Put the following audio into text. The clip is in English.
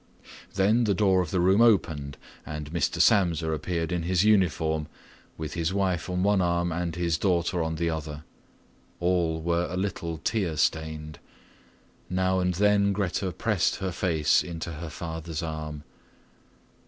Then the door of the bed room opened, and Mr. Samsa appeared in his uniform, with his wife on one arm and his daughter on the other. All were a little tear stained. Now and then Grete pressed her face onto her father's arm.